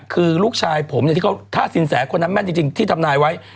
คือลูกชายผมถ้าสินแสคนนั้นแม่นจริงที่ทำนายไว้